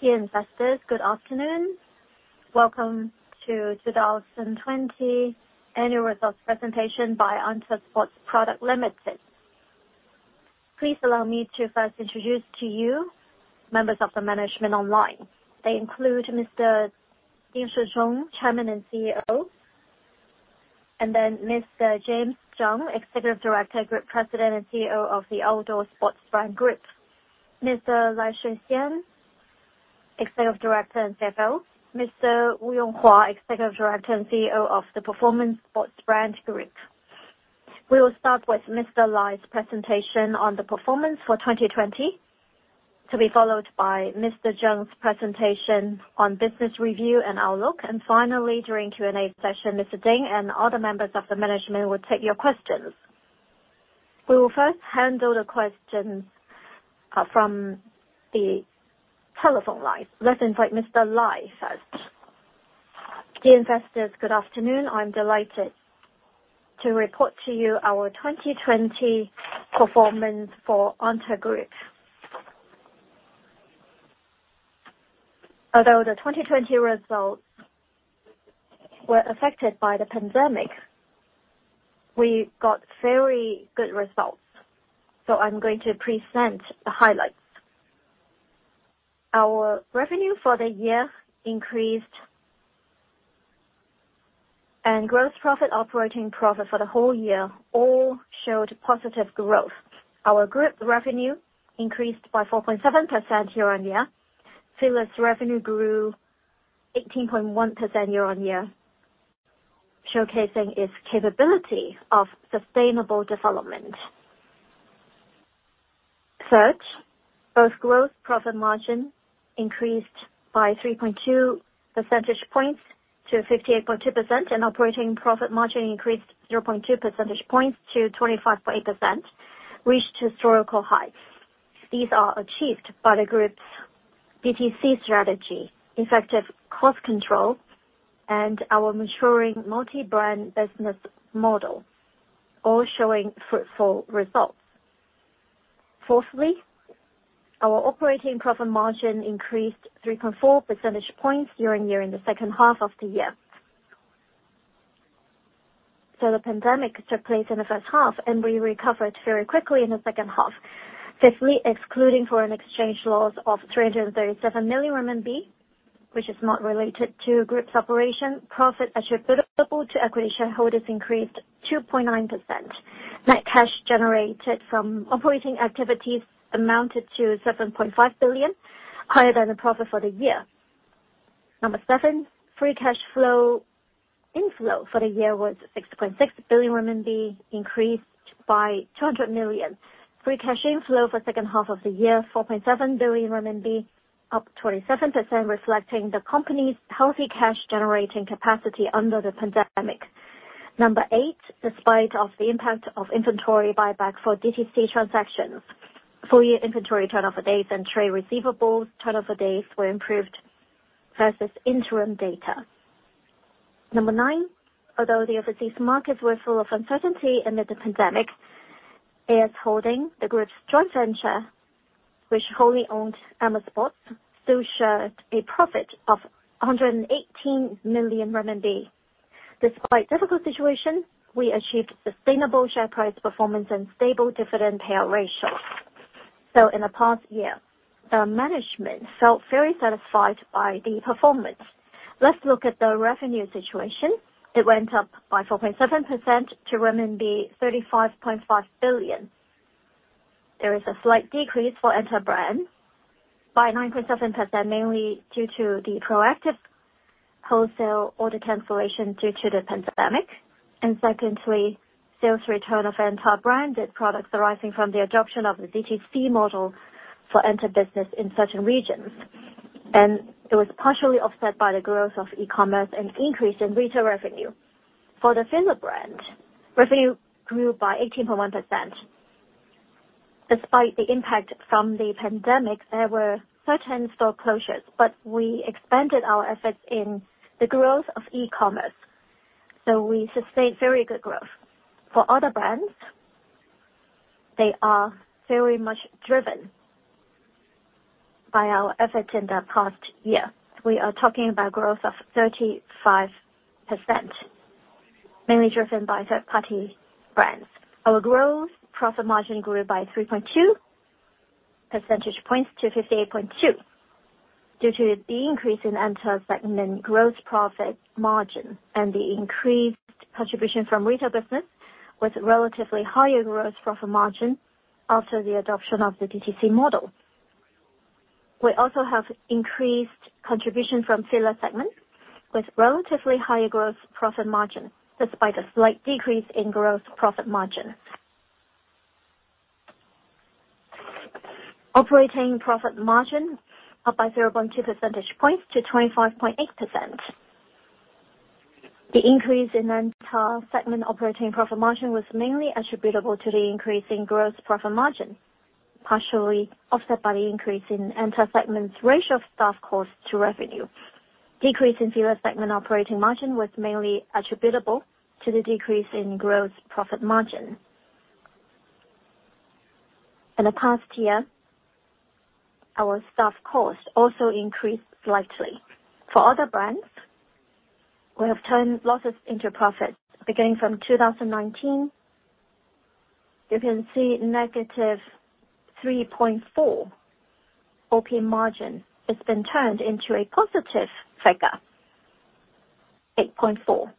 Dear investors, good afternoon. Welcome to the 2020 annual results presentation by Anta Sports Products Limited. Please allow me to first introduce to you members of the management online. They include Mr. Ding Shizhong, Chairman and CEO, and then Mr. James Zheng, Executive Director, Group President and CEO of the Outdoor Sports Brand Group. Mr. Lai Shixian, Executive Director and CFO. Mr. Wu Yonghua, Executive Director and CEO of the Performance Sports Brand Group. We will start with Mr. Lai's presentation on the performance for 2020, to be followed by Mr. Zheng's presentation on business review and outlook. Finally, during Q&A session, Mr. Ding and other members of the management will take your questions. We will first handle the questions from the telephone line. Let's invite Mr. Lai first. Dear investors, good afternoon. I'm delighted to report to you our 2020 performance for ANTA Group. Although the 2020 results were affected by the pandemic, we got very good results, so I'm going to present the highlights. Our revenue for the year increased, and gross profit, operating profit for the whole year all showed positive growth. Our group revenue increased by 4.7% year-on-year. FILA's revenue grew 18.1% year-on-year, showcasing its capability of sustainable development. Third, both gross profit margin increased by 3.2 percentage points to 58.2%, and operating profit margin increased 0.2 percentage points to 25.8%, reached historical heights. These are achieved by the group's DTC strategy, effective cost control, and our maturing multi-brand business model, all showing fruitful results. Fourthly, our operating profit margin increased 3.4 percentage points year-on-year in the second half of the year. So the pandemic took place in the first half, and we recovered very quickly in the second half. Fifthly, excluding foreign exchange loss of 337 million RMB, which is not related to group's operation, profit attributable to equity shareholders increased 2.9%. Net cash generated from operating activities amounted to 7.5 billion, higher than the profit for the year. Number seven, free cash flow inflow for the year was 60.6 billion, increased by 200 million. Free cash inflow for second half of the year, 4.7 billion, up 27%, reflecting the company's healthy cash-generating capacity under the pandemic. Number eight, despite of the impact of inventory buyback for DTC transactions, full year inventory turnover days and trade receivables turnover days were improved versus interim data. Number nine, although the overseas markets were full of uncertainty amid the pandemic, AS Holding, the group's joint venture, which wholly owned Amer Sports, still showed a profit of 118 million RMB. Despite difficult situation, we achieved sustainable share price, performance, and stable dividend payout ratio. So in the past year, the management felt very satisfied by the performance. Let's look at the revenue situation. It went up by 4.7% to RMB 35.5 billion. There is a slight decrease for ANTA brand by 9.7%, mainly due to the proactive wholesale order cancellation due to the pandemic. Secondly, sales return of ANTA-branded products arising from the adoption of the DTC model for ANTA business in certain regions. It was partially offset by the growth of e-commerce and increase in retail revenue. For the FILA brand, revenue grew by 18.1%. Despite the impact from the pandemic, there were certain store closures, but we expanded our efforts in the growth of e-commerce, so we sustained very good growth. For other brands, they are very much driven by our effort in the past year. We are talking about growth of 35%, mainly driven by third-party brands. Our gross profit margin grew by 3.2 percentage points to 58.2%, due to the increase in ANTA's segment gross profit margin and the increased contribution from retail business, with relatively higher gross profit margin after the adoption of the DTC model. We also have increased contribution from FILA segment, with relatively higher gross profit margin, despite a slight decrease in gross profit margin. Operating profit margin up by 0.2 percentage points to 25.8%. The increase in ANTA segment operating profit margin was mainly attributable to the increase in gross profit margin, partially offset by the increase in ANTA segment's ratio of staff cost to revenue. Decrease in FILA segment operating margin was mainly attributable to the decrease in gross profit margin... In the past year, our staff cost also increased slightly. For other brands, we have turned losses into profits. Beginning from 2019, you can see -3.4% OP margin has been turned into a positive figure, 8.4%,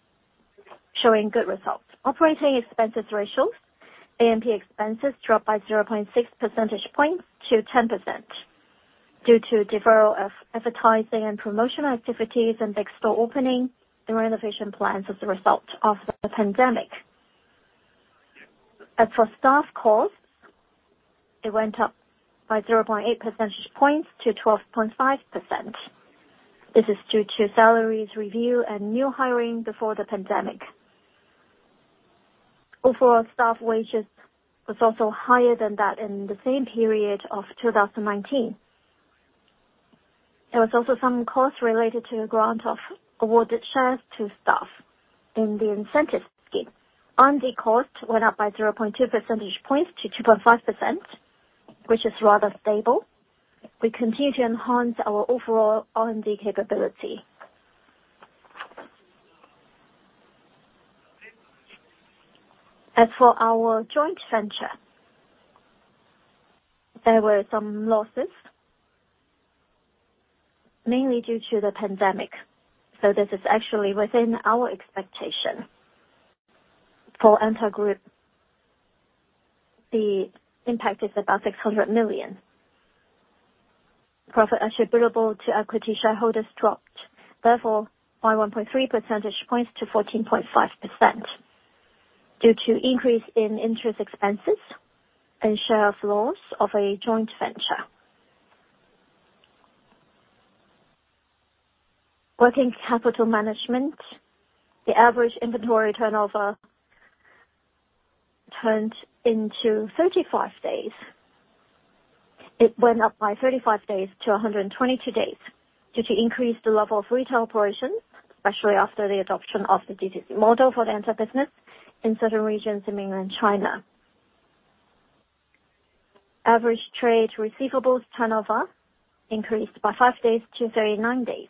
showing good results. Operating expenses ratios, A&P expenses dropped by 0.6 percentage points to 10% due to deferral of advertising and promotional activities and big store opening and renovation plans as a result of the pandemic. As for staff costs, it went up by 0.8 percentage points to 12.5%. This is due to salaries review and new hiring before the pandemic. Overall, staff wages was also higher than that in the same period of 2019. There was also some costs related to the grant of awarded shares to staff in the incentive scheme. R&D cost went up by 0.2 percentage points to 2.5%, which is rather stable. We continue to enhance our overall R&D capability. As for our joint venture, there were some losses, mainly due to the pandemic, so this is actually within our expectation. For the entire group, the impact is about 600 million. Profit attributable to equity shareholders dropped, therefore, by 1.3 percentage points to 14.5% due to increase in interest expenses and share of loss of a joint venture. Working capital management. The average inventory turnover days turned into 35 days. It went up by 35 days to 122 days due to increase the level of retail operations, especially after the adoption of the DTC model for the entire business in certain regions in mainland China. Average trade receivables turnover days increased by 5 days to 39 days.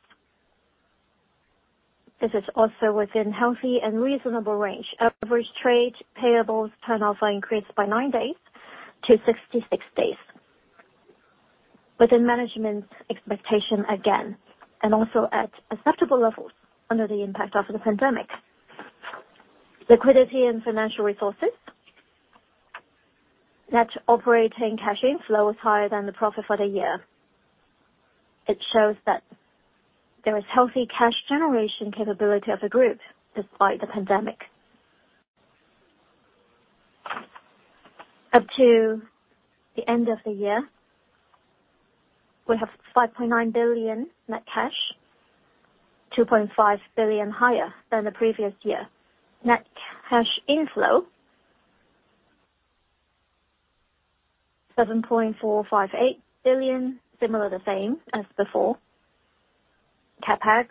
This is also within healthy and reasonable range. Average trade payables turnover days increased by 9 days to 66 days, within management's expectation again, and also at acceptable levels under the impact of the pandemic. Liquidity and financial resources. Net operating cash inflow is higher than the profit for the year. It shows that there is healthy cash generation capability of the group despite the pandemic. Up to the end of the year, we have 5.9 billion net cash, 2.5 billion higher than the previous year. Net cash inflow, 7.458 billion, similar the same as before. CapEx,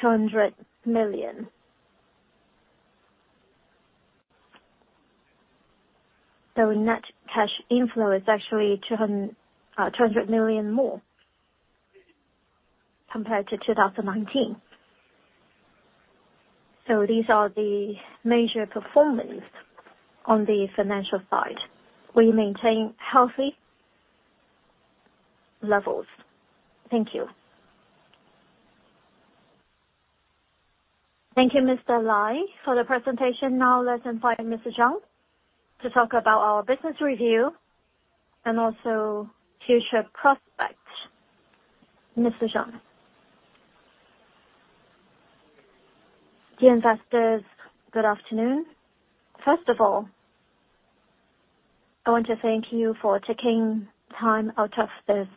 200 million. So net cash inflow is actually two hundred million more compared to 2019. So these are the major performance on the financial side. We maintain healthy levels. Thank you. Thank you, Mr. Lai, for the presentation. Now, let's invite Mr. Zheng to talk about our business review and also future prospects. Mr. Zheng? Dear investors, good afternoon. First of all, I want to thank you for taking time out of this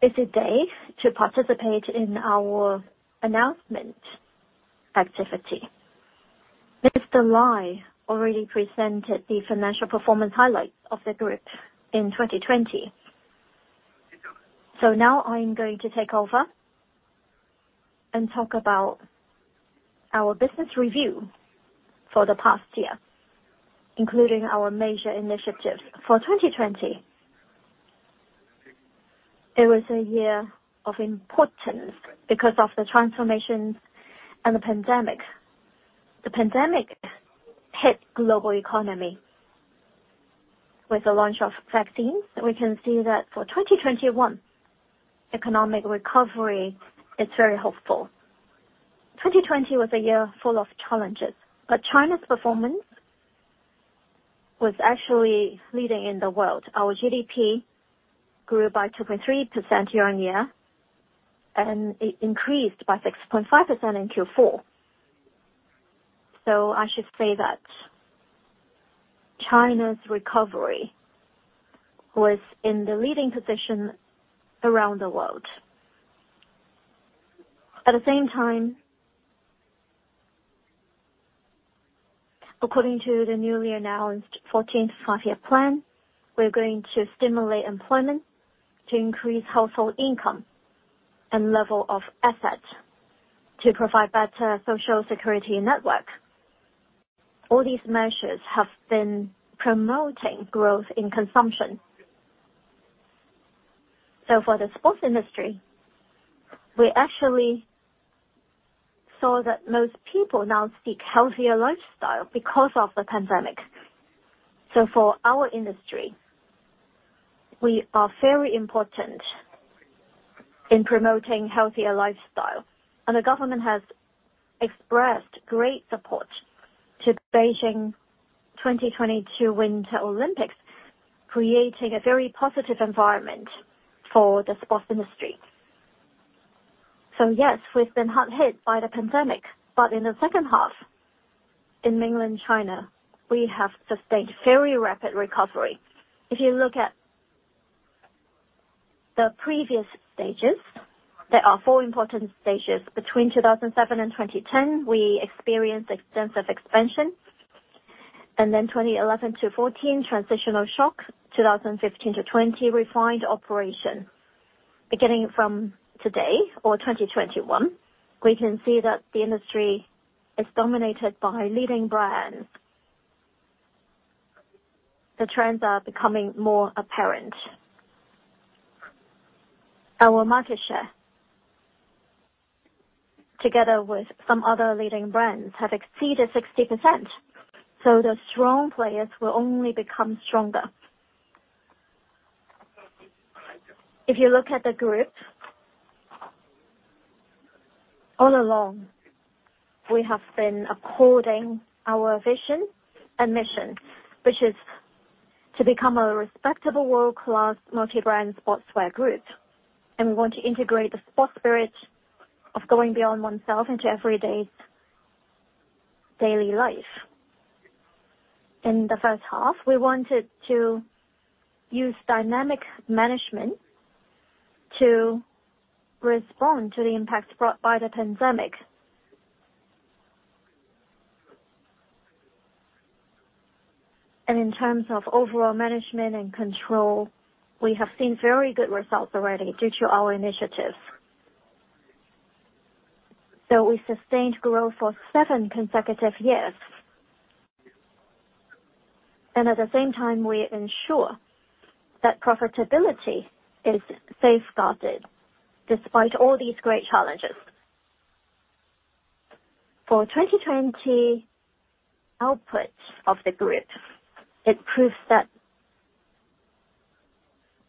busy day to participate in our announcement activity. Mr. Lai already presented the financial performance highlights of the group in 2020. So now I'm going to take over and talk about our business review for the past year, including our major initiatives. For 2020, it was a year of importance because of the transformation and the pandemic. The pandemic hit global economy. With the launch of vaccines, we can see that for 2021, economic recovery is very hopeful. 2020 was a year full of challenges, but China's performance was actually leading in the world. Our GDP grew by 2.3% year-over-year, and it increased by 6.5% in Q4. So I should say that China's recovery was in the leading position around the world. At the same time, according to the newly announced Fourteenth Five-Year Plan, we're going to stimulate employment to increase household income and level of assets... to provide better social security network. All these measures have been promoting growth in consumption. So for the sports industry, we actually saw that most people now seek healthier lifestyle because of the pandemic. So for our industry, we are very important in promoting healthier lifestyle, and the government has expressed great support to the Beijing 2022 Winter Olympics, creating a very positive environment for the sports industry. So yes, we've been hard hit by the pandemic, but in the second half, in mainland China, we have sustained very rapid recovery. If you look at the previous stages, there are four important stages. Between 2007 and 2010, we experienced extensive expansion, and then 2011 to 2014, transitional shock. 2015-2020, refined operation. Beginning from today or 2021, we can see that the industry is dominated by leading brands. The trends are becoming more apparent. Our market share, together with some other leading brands, have exceeded 60%, so the strong players will only become stronger. If you look at the group, all along, we have been upholding our vision and mission, which is to become a respectable world-class multi-brand sportswear group, and we want to integrate the sports spirit of going beyond oneself into every day's daily life. In the first half, we wanted to use dynamic management to respond to the impacts brought by the pandemic. In terms of overall management and control, we have seen very good results already due to our initiatives. We sustained growth for seven consecutive years. At the same time, we ensure that profitability is safeguarded despite all these great challenges. For 2020 output of the group, it proves that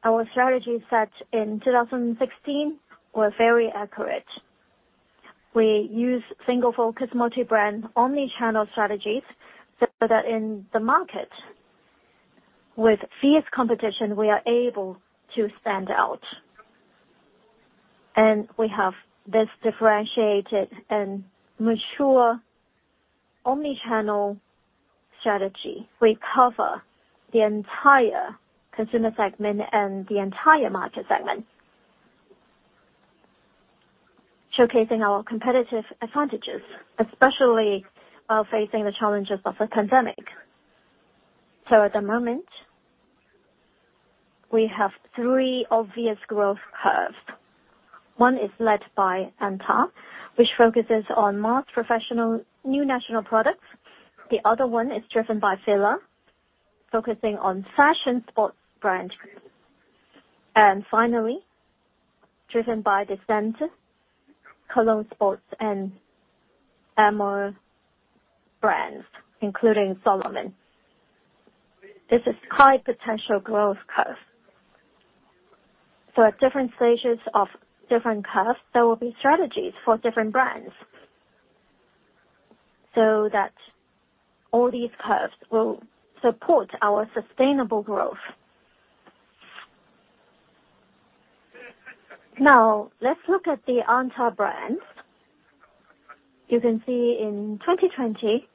our strategy set in 2016 were very accurate. We use single focus, multi-brand, omni-channel strategies so that in the market, with fierce competition, we are able to stand out. And we have this differentiated and mature omni-channel strategy. We cover the entire consumer segment and the entire market segment, showcasing our competitive advantages, especially while facing the challenges of the pandemic. So at the moment, we have three obvious growth curves. One is led by ANTA, which focuses on mass professional, new national products. The other one is driven by FILA, focusing on fashion sports brand. And finally, driven by the DESCENTE sports and Amer Sports brands, including Salomon. This is high potential growth curve. So at different stages of different curves, there will be strategies for different brands, so that all these curves will support our sustainable growth. Now, let's look at the ANTA brands. You can see in 2020,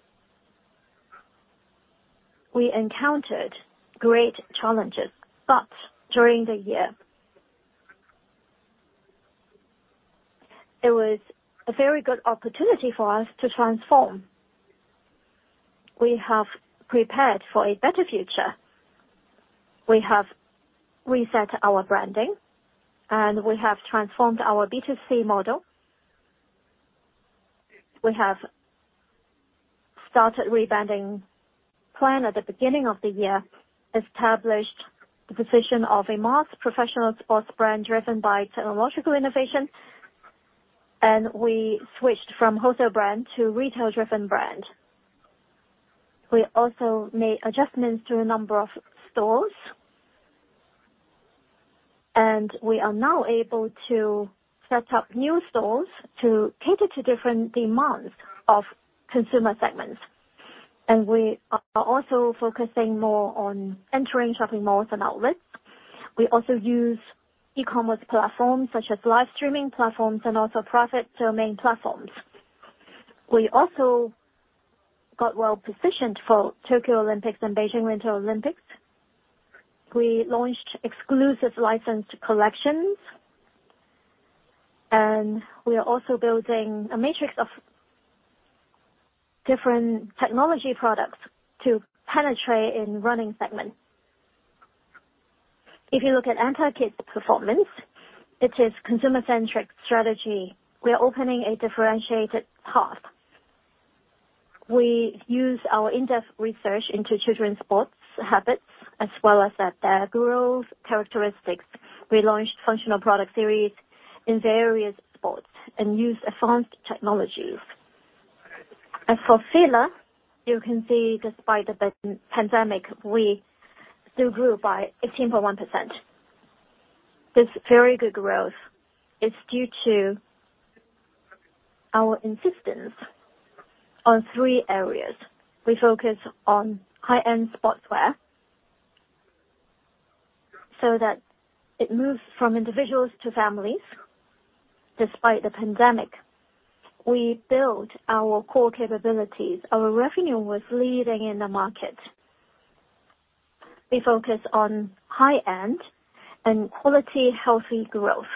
we encountered great challenges, but during the year, it was a very good opportunity for us to transform. We have prepared for a better future. We have reset our branding, and we have transformed our B2C model. We have started rebranding plan at the beginning of the year, established the position of a mass professional sports brand driven by technological innovation, and we switched from wholesale brand to retail-driven brand. We also made adjustments to a number of stores. We are now able to set up new stores to cater to different demands of consumer segments. We are also focusing more on entering shopping malls and outlets. We also use e-commerce platforms, such as live streaming platforms and also private domain platforms. We also got well positioned for Tokyo Olympics and Beijing Winter Olympics. We launched exclusive licensed collections, and we are also building a matrix of different technology products to penetrate in running segment. If you look at ANTA Kids' performance, it is consumer-centric strategy. We are opening a differentiated path. We use our in-depth research into children's sports habits, as well as at their growth characteristics. We launched functional product series in various sports and used advanced technologies. As for FILA, you can see despite the pandemic, we still grew by 18.1%. This very good growth is due to our insistence on three areas. We focus on high-end sportswear, so that it moves from individuals to families. Despite the pandemic, we built our core capabilities. Our revenue was leading in the market. We focus on high-end and quality, healthy growth.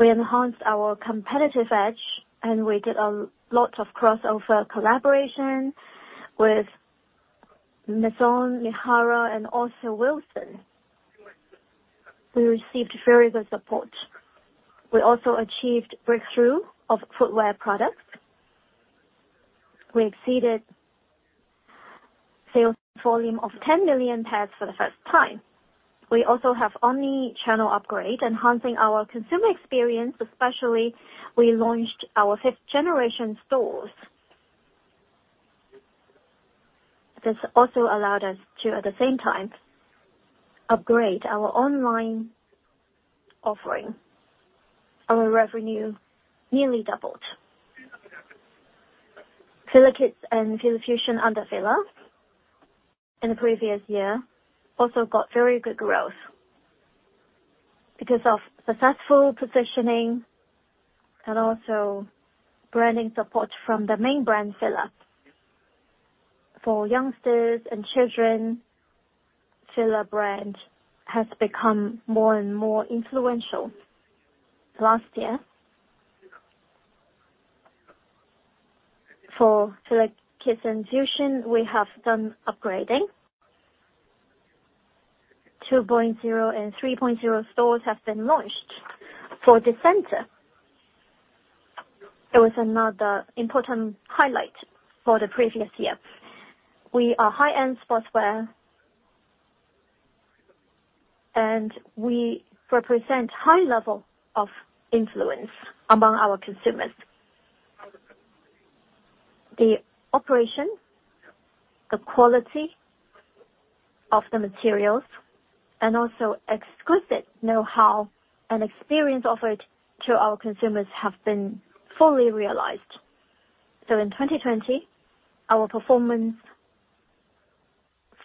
We enhanced our competitive edge, and we did a lot of crossover collaboration with Maison Mihara and also Wilson. We received very good support. We also achieved breakthrough of footwear products. We exceeded sales volume of 10 million pairs for the first time. We also have omni-channel upgrade, enhancing our consumer experience, especially we launched our fifth generation stores. This also allowed us to, at the same time, upgrade our online offering. Our revenue nearly doubled. FILA KIDS and FILA FUSION under FILA, in the previous year, also got very good growth. Because of successful positioning and also branding support from the main brand, FILA. For youngsters and children, FILA brand has become more and more influential last year. For FILA KIDS and Fusion, we have done upgrading. 2.0 and 3.0 stores have been launched. For DESCENTE, it was another important highlight for the previous year. We are high-end sportswear, and we represent high level of influence among our consumers. The operation, the quality of the materials, and also exquisite know-how and experience offered to our consumers have been fully realized. So in 2020, our performance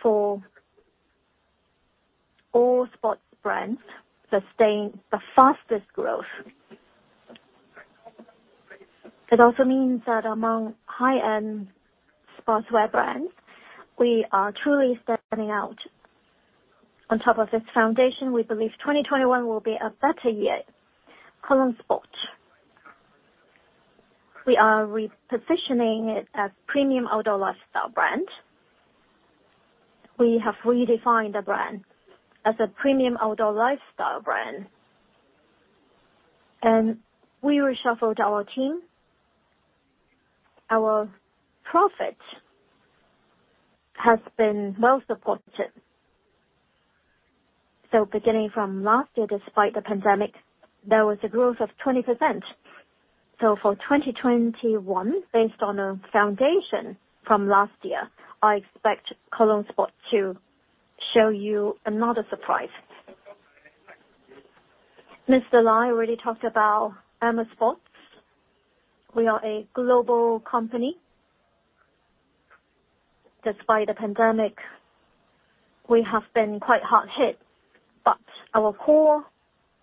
for all sports brands sustained the fastest growth. It also means that among high-end sportswear brands, we are truly standing out. On top of this foundation, we believe 2021 will be a better year. KOLON SPORT. We are repositioning it as premium outdoor lifestyle brand. We have redefined the brand as a premium outdoor lifestyle brand, and we reshuffled our team. Our profit has been well supported. So beginning from last year, despite the pandemic, there was a growth of 20%. So for 2021, based on a foundation from last year, I expect Kolon Sport to show you another surprise. Mr. Lai already talked about Amer Sports. We are a global company. Despite the pandemic, we have been quite hard hit, but our core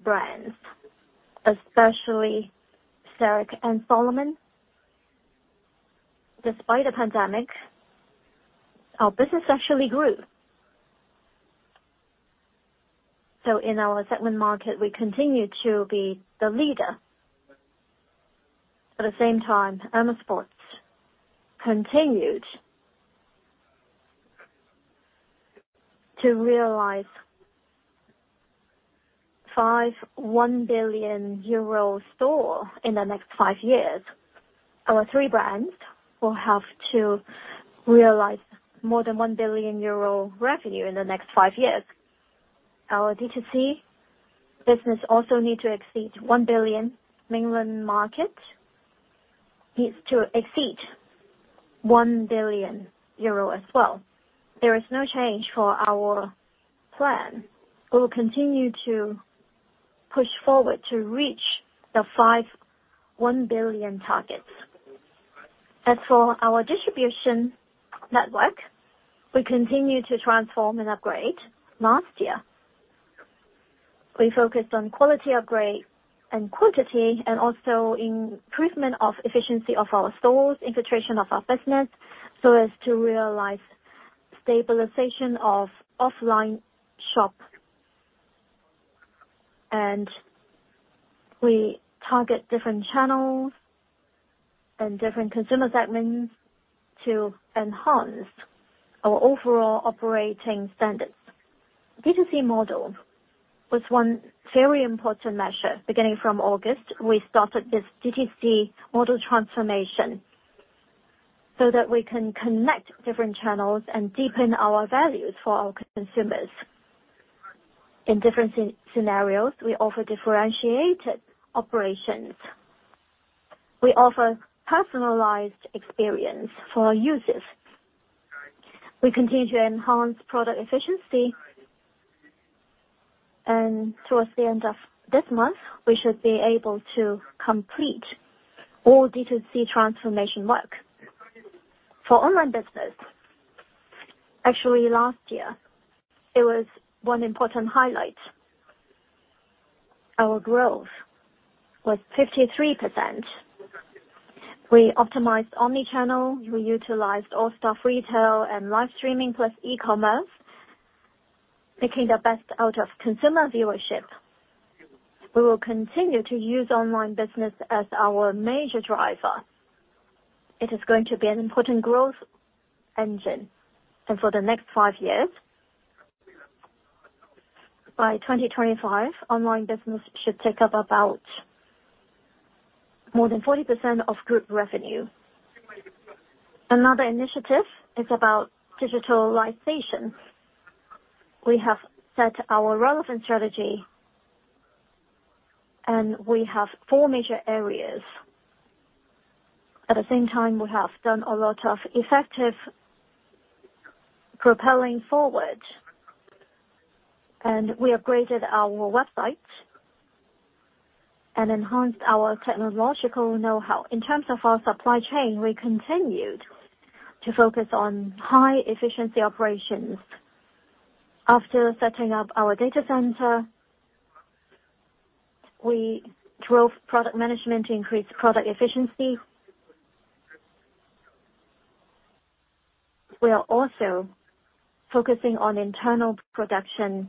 brands, especially Arc'teryxand Salomon, despite the pandemic, our business actually grew. So in our segment market, we continue to be the leader. At the same time, Amer Sports continued to realize 5.1 billion euro store in the next five years. Our three brands will have to realize more than 1 billion euro revenue in the next five years. Our D2C business also need to exceed 1 billion. Mainland market needs to exceed 1 billion euro as well. There is no change for our plan. We will continue to push forward to reach the 5.1 billion targets. As for our distribution network, we continue to transform and upgrade. Last year, we focused on quality upgrade and quantity, and also improvement of efficiency of our stores, infiltration of our business, so as to realize stabilization of offline shops, and we target different channels and different consumer segments to enhance our overall operating standards. DTC model was one very important measure. Beginning from August, we started this DTC model transformation so that we can connect different channels and deepen our values for our consumers. In different scenarios, we offer differentiated operations. We offer personalized experience for our users. We continue to enhance product efficiency, and towards the end of this month, we should be able to complete all DTC transformation work. For online business, actually, last year, it was one important highlight. Our growth was 53%. We optimized omni-channel. We utilized all-staff retail and live streaming, plus e-commerce, making the best out of consumer viewership. We will continue to use online business as our major driver. It is going to be an important growth engine, and for the next five years, by 2025, online business should take up about more than 40% of group revenue. Another initiative is about digitalization. We have set our relevant strategy, and we have four major areas. At the same time, we have done a lot of effective propelling forward, and we upgraded our website and enhanced our technological know-how. In terms of our supply chain, we continued to focus on high efficiency operations. After setting up our data center, we drove product management to increase product efficiency. We are also focusing on internal production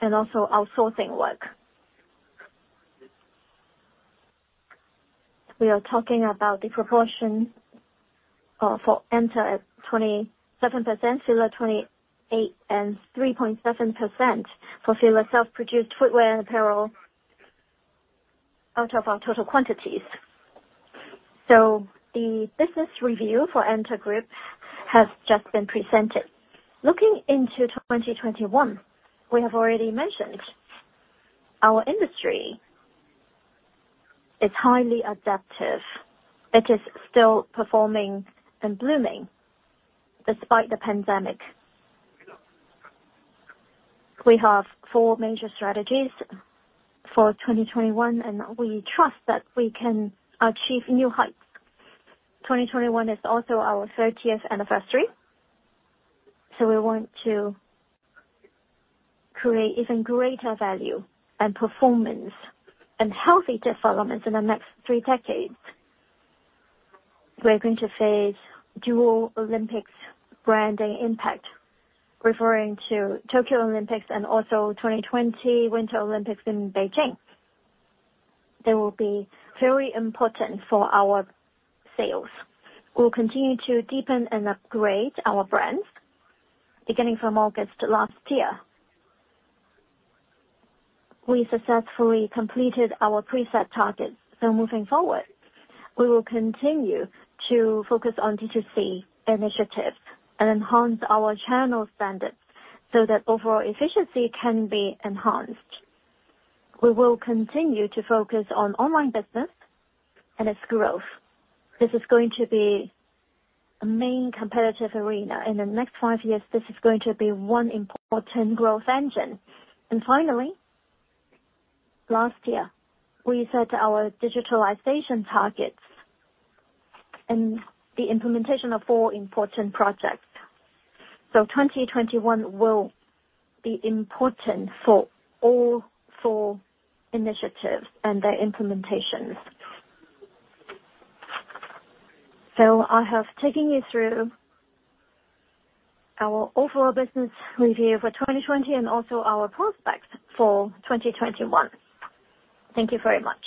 and also outsourcing work. We are talking about the proportion for ANTA at 27%, FILA 28%, and 3.7% for FILA's self-produced footwear and apparel out of our total quantities. So the business review for ANTA Group has just been presented. Looking into 2021, we have already mentioned our industry is highly adaptive. It is still performing and blooming despite the pandemic. We have four major strategies for 2021, and we trust that we can achieve new heights. 2021 is also our 30th anniversary, so we want to create even greater value and performance and healthy developments in the next three decades. We are going to face dual Olympics branding impact, referring to Tokyo Olympics and also 2022 Winter Olympics in Beijing. They will be very important for our sales. We'll continue to deepen and upgrade our brands. Beginning from August last year, we successfully completed our preset targets. Moving forward, we will continue to focus on DTC initiatives and enhance our channel standards so that overall efficiency can be enhanced. We will continue to focus on online business and its growth. This is going to be a main competitive arena. In the next 5 years, this is going to be one important growth engine. Finally, last year, we set our digitalization targets and the implementation of 4 important projects. 2021 will be important for all 4 initiatives and their implementations. I have taken you through our overall business review for 2020 and also our prospects for 2021. Thank you very much.